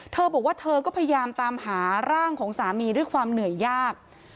เธอบอกว่าเธอก็พยายามตามหาร่างของสามีด้วยความเหนื่อยยาก